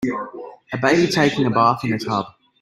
A baby taking a bath in a tub.